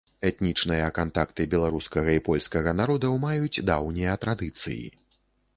Этнічныя кантакты беларускага і польскага народаў маюць даўнія традыцыі.